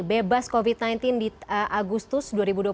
bebas covid sembilan belas di agustus dua ribu dua puluh